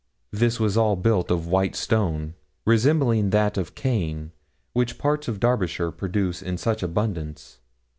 This was all built of white stone, resembling that of Caen, which parts of Derbyshire produce in such abundance.